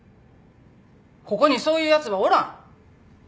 ここにそういうやつはおらん。